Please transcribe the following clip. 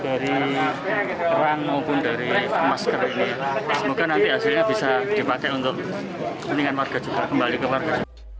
dari ranaupun dari masker ini semoga nanti hasilnya bisa dipakai untuk kembali ke warga